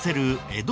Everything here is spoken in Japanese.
江戸・